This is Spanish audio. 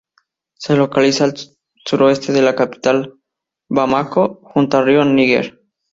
Se localiza al suroeste de la capital, Bamako, junto al Río Níger.